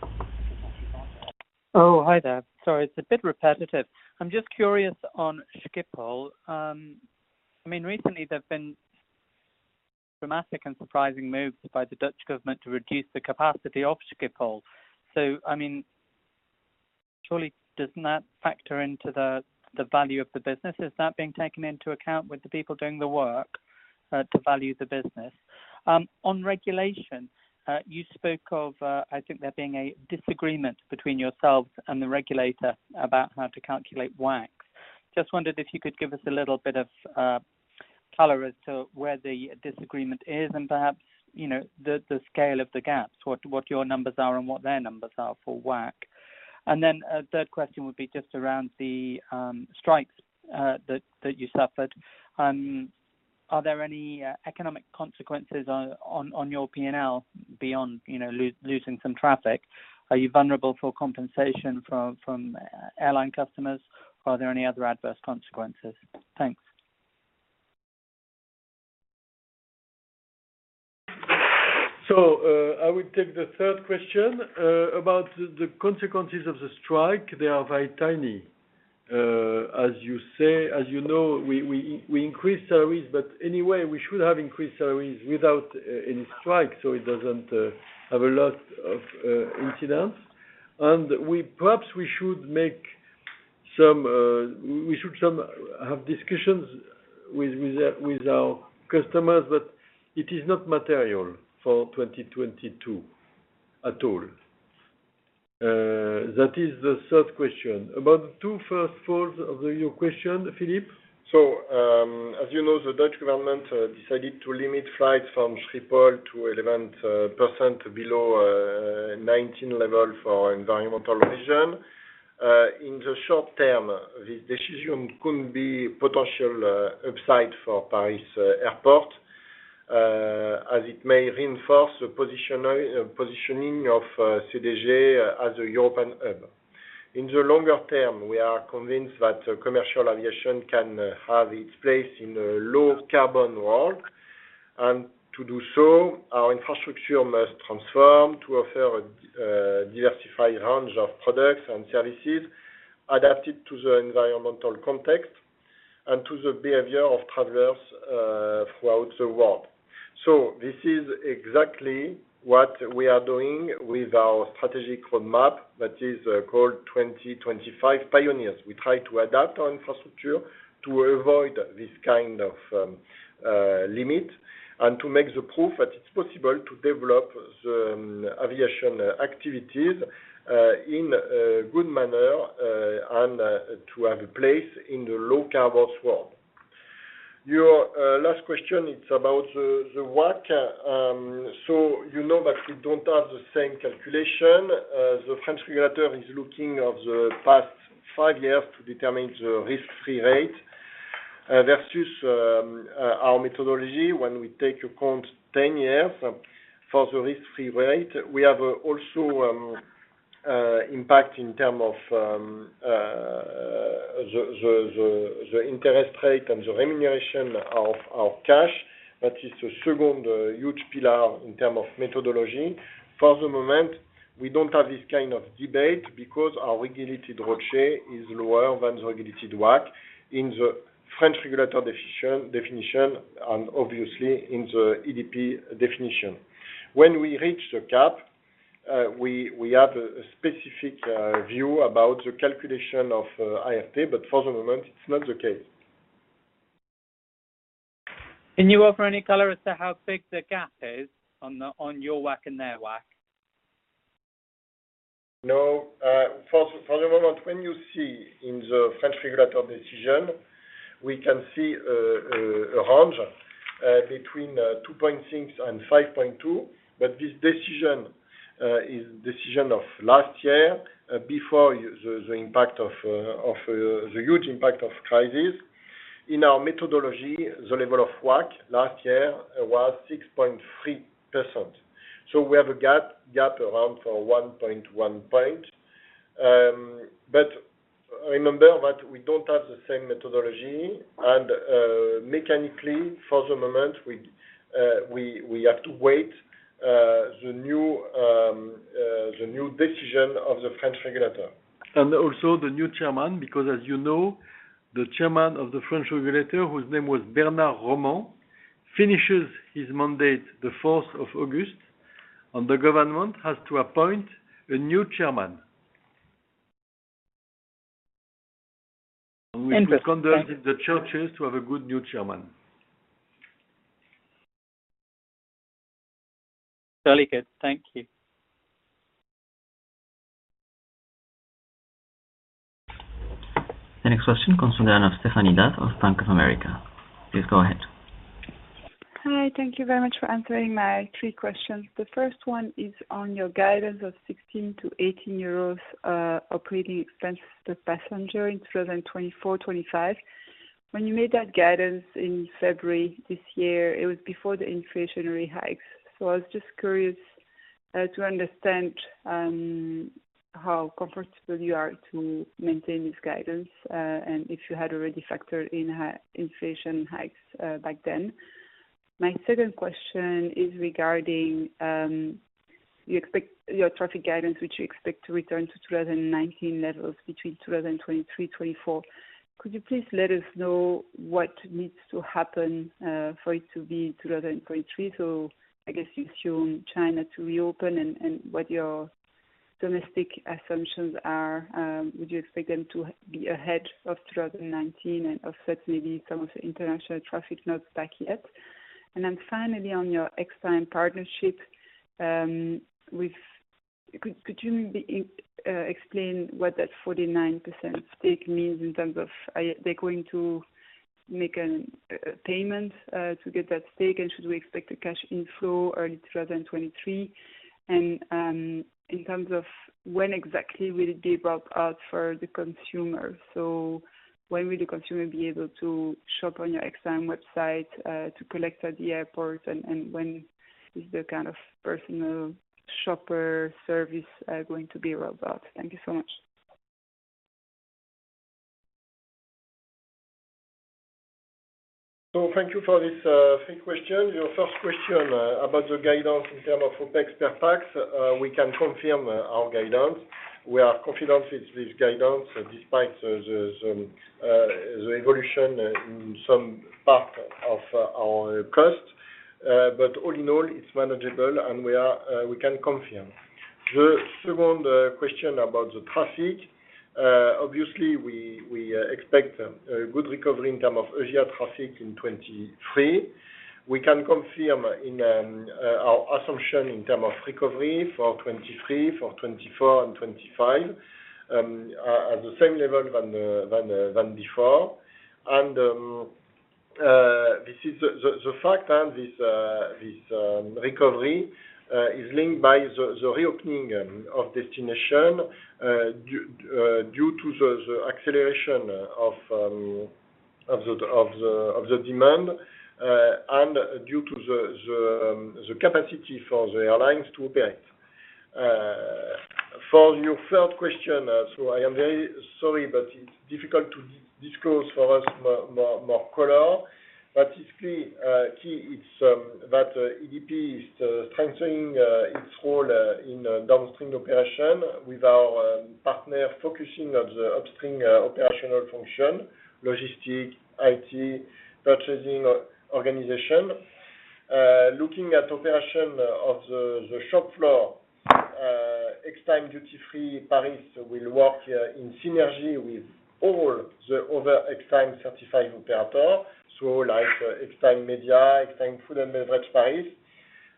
Oh, hi there. Sorry, it's a bit repetitive. I'm just curious on Schiphol. Recently there've been dramatic and surprising moves by the Dutch government to reduce the capacity of Schiphol. I mean, surely doesn't that factor into the value of the business? Is that being taken into account with the people doing the work to value the business? On regulation, you spoke of, I think, there being a disagreement between yourselves and the regulator about how to calculate WACC. Just wondered if you could give us a little bit of color as to where the disagreement is and perhaps the scale of the gaps, what your numbers are and what their numbers are for WACC. Then a third question would be just around the strikes that you suffered. Are there any economic consequences on your P&L beyond, you know, losing some traffic? Are you vulnerable for compensation from airline customers? Are there any other adverse consequences? Thanks. I will take the third question. About the consequences of the strike, they are very tiny. As you know, we increased salaries, but anyway, we should have increased salaries without any strike, so it doesn't have a lot of impact. Perhaps we should have discussions with our customers, but it is not material for 2022 at all. That is the third question. About the two first quarters of the year. Your question, Philippe. As you know, the Dutch government decided to limit flights from Schiphol to 11% below 19 level for environmental reason. In the short term, this decision could be potential upside for Paris Aéroport, as it may reinforce the positioning of CDG as a European hub. In the longer term, we are convinced that commercial aviation can have its place in a low carbon world. To do so, our infrastructure must transform to offer a diversified range of products and services adapted to the environmental context and to the behavior of travelers throughout the world. This is exactly what we are doing with our strategic roadmap, that is called 2025 Pioneers. We try to adapt our infrastructure to avoid this kind of limit and to make the proof that it's possible to develop the aviation activities in a good manner and to have a place in the low-carbon world. Your last question, it's about the WACC. You know that we don't have the same calculation. The French regulator is looking at the past five years to determine the risk-free rate versus our methodology when we take into account 10 years for the risk-free rate. We have also impact in terms of the interest rate and the remuneration of our cash. That is the second huge pillar in terms of methodology. For the moment, we don't have this kind of debate because our regulated ROCE is lower than the regulated WACC in the French regulator definition and obviously in the ADP definition. When we reach the gap, we have a specific view about the calculation of IFP, but for the moment it's not the case. Can you offer any color as to how big the gap is on your WACC and their WACC? No. For the moment, when you see in the French regulator decision, we can see a range between 2.6% and 5.2%, but this decision is decision of last year, before the impact of the huge impact of crisis. In our methodology, the level of WACC last year was 6.3%. We have a gap around 1.1 points. Remember that we don't have the same methodology and mechanically for the moment, we have to wait for the new decision of the French regulator. The new chairman, because as you know, the chairman of the French regulator, whose name was Bernard Roman, finishes his mandate the 4th of August, and the government has to appoint a new chairman. And the- We just conducted the searches to have a good new chairman. Very good. Thank you. The next question comes from Stéphanie D'Ath of Bank of America. Please go ahead. Hi. Thank you very much for answering my three questions. The first one is on your guidance of 16-18 euros operating expense per passenger in 2024-2025. When you made that guidance in February this year, it was before the inflationary hikes. I was just curious to understand how comfortable you are to maintain this guidance and if you had already factored in inflation hikes back then. My second question is regarding your traffic guidance, which you expect to return to 2019 levels between 2023-2024. Could you please let us know what needs to happen for it to be 2023? I guess you assume China to reopen and what your domestic assumptions are, would you expect them to be ahead of 2019 and of course maybe some of the international traffic not back yet? Finally on your Extime partnership, could you maybe explain what that 49% stake means in terms of, are they going to make a payment to get that stake? Should we expect a cash inflow early 2023? In terms of when exactly will it be rolled out for the consumer? When will the consumer be able to shop on your Extime website to collect at the airport and when is the kind of personal shopper service going to be rolled out? Thank you so much. Thank you for this third question. Your first question about the guidance in terms of OpEx per pax, we can confirm our guidance. We are confident with this guidance despite the evolution in some part of our cost. But all in all, it's manageable, and we can confirm. The second question about the traffic. Obviously we expect a good recovery in terms of Asia traffic in 2023. We can confirm our assumption in terms of recovery for 2023, for 2024 and 2025 at the same level than before. This is the fact and this recovery is linked by the reopening of destinations due to the acceleration of the demand and due to the capacity for the airlines to operate. For your third question, I am very sorry, but it's difficult to disclose for us more color. But it's key that ADP is strengthening its role in downstream operation with our partner focusing on the upstream operational function, logistics, IT, purchasing organization. Looking at operation of the shop floor, Extime Duty Free Paris will work in synergy with all the other Extime certified operator, so like Extime Media, Extime Food & Beverage Paris,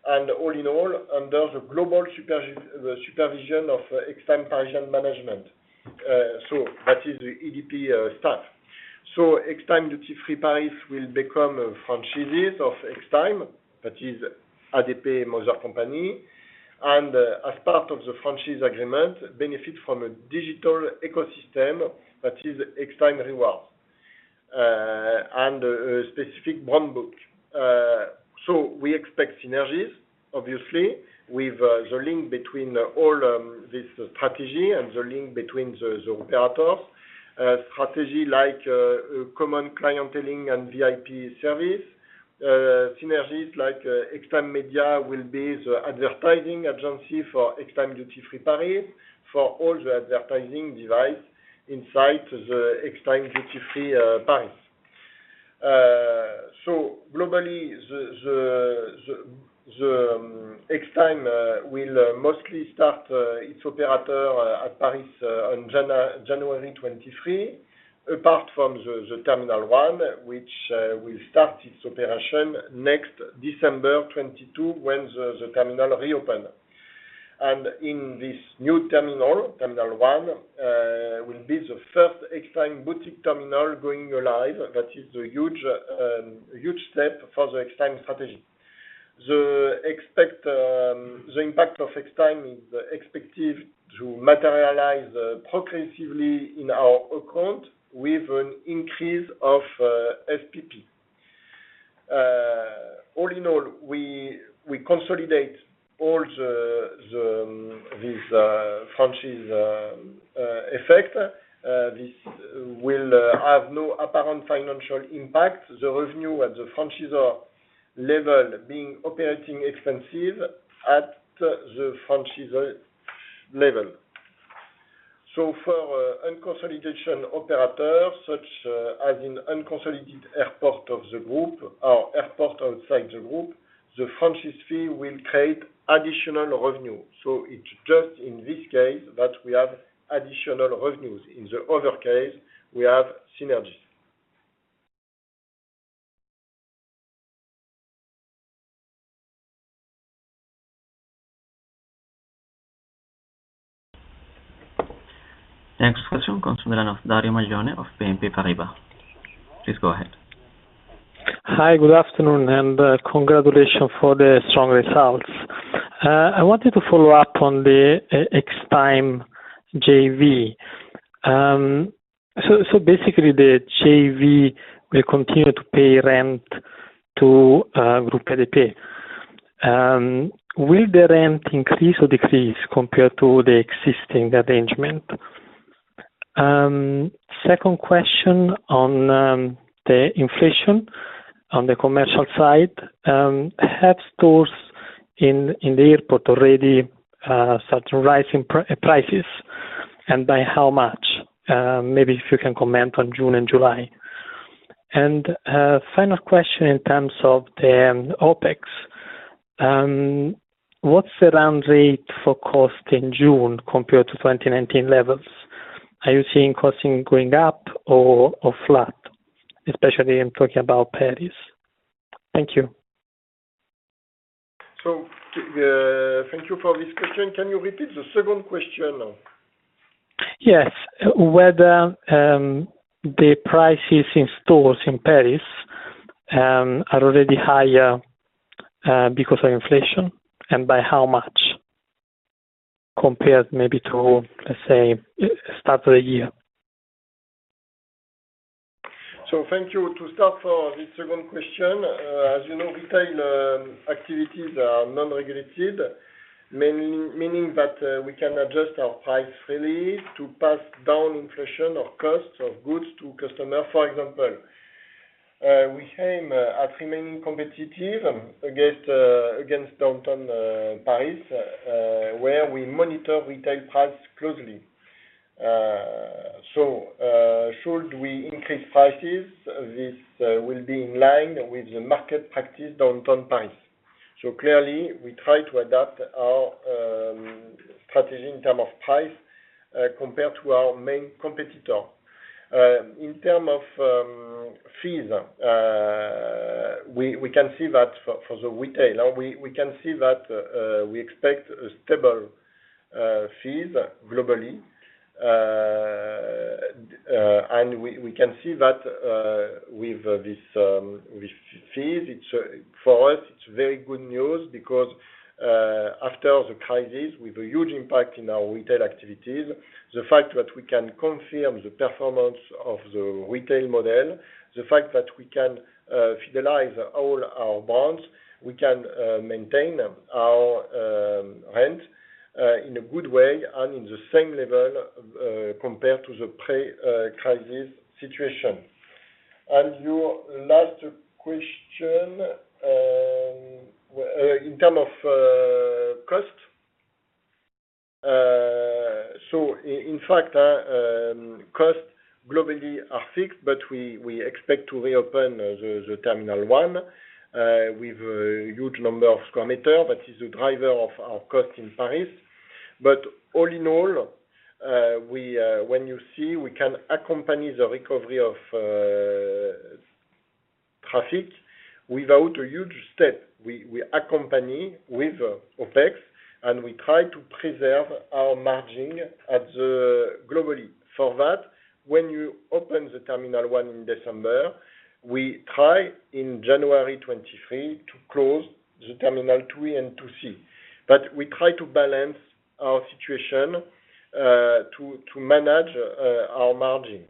and all in all, under the global supervision of Extime Parisian management. That is the EDP staff. Extime Duty Free Paris will become franchisees of Extime, that is, ADP mother company. As part of the franchise agreement, benefit from a digital ecosystem that is Extime Rewards, and a specific brand book. We expect synergies, obviously, with the link between all this strategy and the link between the operators. Strategy like common clienteling and VIP service, synergies like Extime Media will be the advertising agency for Extime Duty Free Paris for all the advertising device inside the Extime Duty Free Paris. So globally, the Extime will mostly start its operations at Paris on January 2023, apart from the terminal one, which will start its operation next December 2022 when the terminal reopens. In this new terminal one, will be the first Extime boutique terminal going live. That is a huge step for the Extime strategy. The impact of Extime is expected to materialize progressively in our accounts with an increase of SSP. All in all, we consolidate all this franchise effect. This will have no apparent financial impact. The revenue at the franchisor level being operating expenses at the franchisor level. For unconsolidated operators, such as unconsolidated airports of the group or airports outside the group, the franchise fee will create additional revenue. It's just in this case that we have additional revenues. In the other case, we have synergies. Next question comes from the line of Dario Maglione of BNP Paribas. Please go ahead. Hi, good afternoon and, congratulations for the strong results. I wanted to follow up on the Extime JV. So, basically the JV will continue to pay rent to, Groupe ADP. Will the rent increase or decrease compared to the existing arrangement? Second question on, the inflation on the commercial side. Have stores in the airport already started rising prices and by how much? Maybe if you can comment on June and July. Final question in terms of the OpEx. What's the run rate for cost in June compared to 2019 levels? Are you seeing costs going up or flat, especially, I'm talking about Paris? Thank you. Thank you for this question. Can you repeat the second question now? Yes. Whether the prices in stores in Paris are already higher because of inflation and by how much compared maybe to, let's say, start of the year? Thank you. To start for the second question, as you know, retail activities are non-regulated, meaning that we can adjust our prices freely to pass on inflation or costs of goods to customers. For example, we aim at remaining competitive against downtown Paris, where we monitor retail prices closely. Should we increase prices, this will be in line with the market practice downtown Paris. Clearly, we try to adapt our strategy in terms of price compared to our main competitor. In terms of fees, we can see that for the retail. Now we can see that we expect stable fees globally. We can see that with fees, it's for us it's very good news because after the crisis, with a huge impact in our retail activities, the fact that we can confirm the performance of the retail model, the fact that we can fidelize all our brands, we can maintain our rent in a good way and in the same level compared to the pre-crisis situation. Your last question in terms of cost. In fact, costs globally are fixed, but we expect to reopen the terminal one with a huge number of square meters. That is the driver of our cost in Paris. All in all, when you see, we can accompany the recovery of traffic without a huge step. We accompany with OpEx, and we try to preserve our margin at the globally. For that, when you open the terminal 1 in December, we try in January 2023 to close the terminal 2A and 2C. We try to balance our situation, to manage our margin.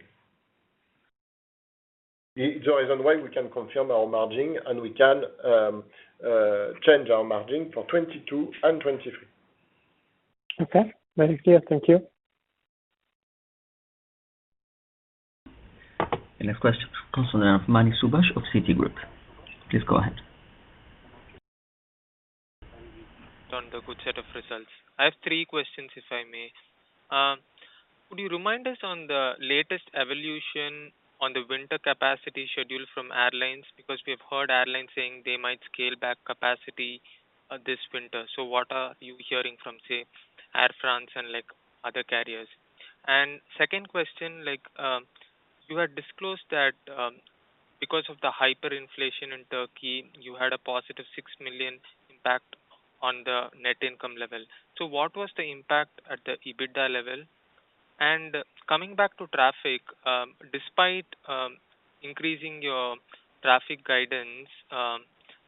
The reason why we can confirm our margin, and we can change our margin for 2022 and 2023. Okay. Very clear. Thank you. The next question comes from the line of Manik Subash of Citigroup. Please go ahead. On the good set of results. I have three questions, if I may. Could you remind us on the latest evolution on the winter capacity schedule from airlines? Because we have heard airlines saying they might scale back capacity, this winter. What are you hearing from, say, Air France and, like, other carriers? Second question, like, you had disclosed that, because of the hyperinflation in Turkey, you had a positive 6 million impact on the net income level. What was the impact at the EBITDA level? Coming back to traffic, despite increasing your traffic guidance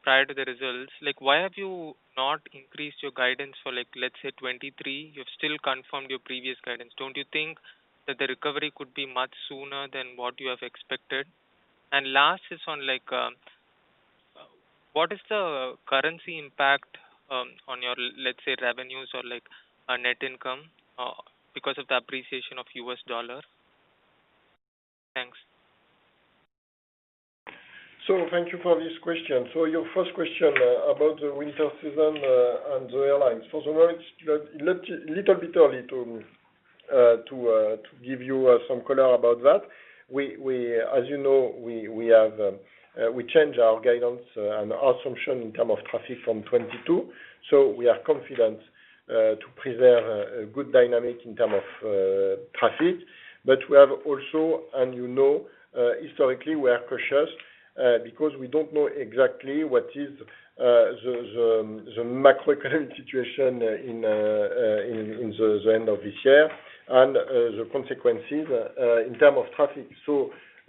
prior to the results, like, why have you not increased your guidance for, like, let's say, 2023? You've still confirmed your previous guidance. Don't you think that the recovery could be much sooner than what you have expected? Last is on, like, what is the currency impact on your, let's say, revenues or, like, net income because of the appreciation of the U.S. dollar? Thanks. Thank you for this question. Your first question about the winter season and the airlines. For the moment, it's a little bit early to give you some color about that. As you know, we have changed our guidance and assumption in terms of traffic from 2022. We are confident to preserve a good dynamic in terms of traffic. We have also, and you know, historically, we are cautious because we don't know exactly what is the macroeconomic situation in the end of this year and the consequences in terms of traffic.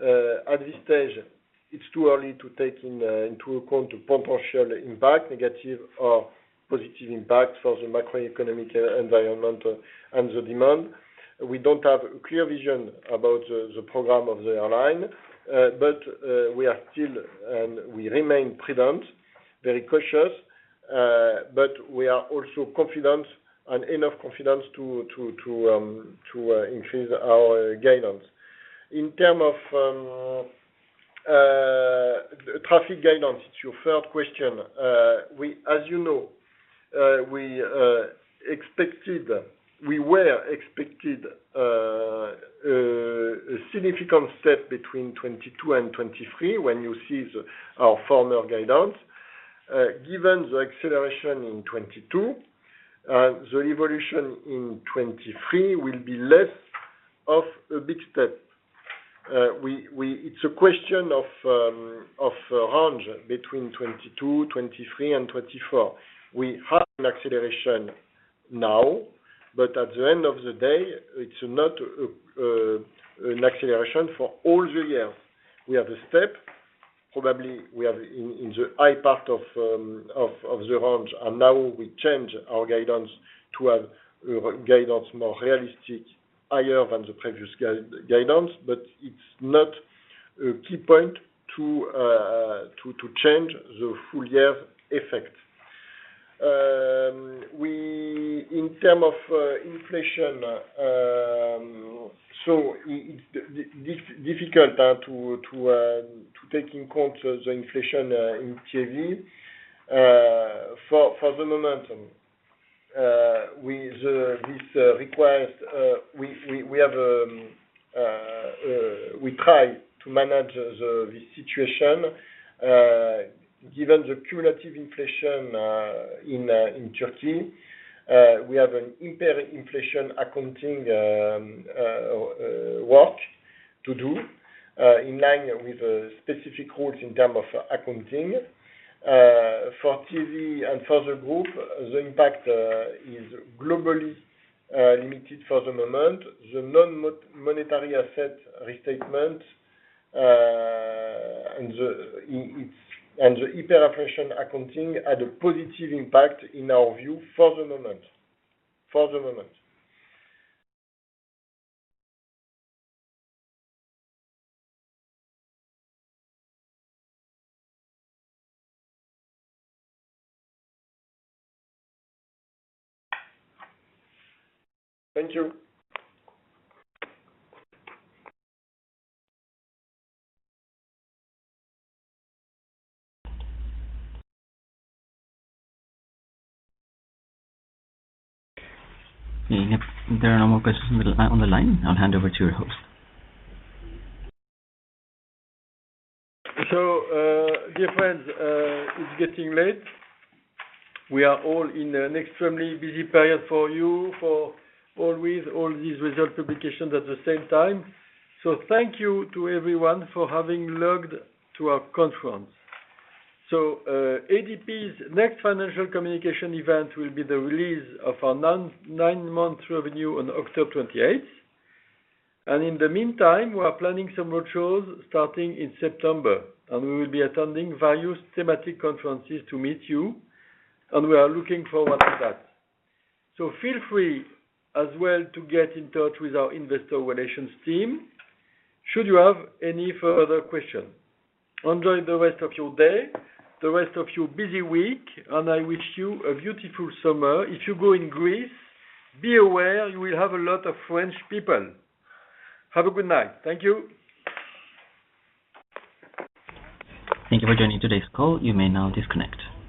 At this stage, it's too early to take into account the potential impact, negative or positive impact for the macroeconomic environment and the demand. We don't have clear vision about the program of the airline, but we remain prudent, very cautious, but we are also confident enough to increase our guidance. In terms of traffic guidance, it's your third question. As you know, we expected a significant step between 2022 and 2023 when you see our former guidance. Given the acceleration in 2022, the evolution in 2023 will be less of a big step. It's a question of a range between 2022, 2023, and 2024. We have an acceleration now, but at the end of the day, it's not an acceleration for all the year. We have a step. Probably we are in the high part of the range, and now we change our guidance to have guidance more realistic, higher than the previous guidance. It's not a key point to change the full year effect. In terms of inflation, so it's difficult to take into account the inflation in TAV for the momentum. With this, it requires that we try to manage this situation given the cumulative inflation in Turkey. We have a hyperinflation accounting work to do. In line with specific rules in terms of accounting. For TAV and for the group, the impact is globally limited for the moment. The non-monetary asset restatement and the hyperinflation accounting had a positive impact in our view for the moment. For the moment. Thank you. Yep. There are no more questions on the line. I'll hand over to your host. Dear friends, it's getting late. We are all in an extremely busy period for you for always all these result publications at the same time. Thank you to everyone for having logged to our conference. ADP's next financial communication event will be the release of our nine-month revenue on October twenty-eighth. In the meantime, we are planning some roadshows starting in September, and we will be attending various thematic conferences to meet you, and we are looking forward to that. Feel free as well to get in touch with our investor relations team should you have any further question. Enjoy the rest of your day, the rest of your busy week, and I wish you a beautiful summer. If you go in Greece, be aware you will have a lot of French people. Have a good night. Thank you. Thank you for joining today's call. You may now disconnect.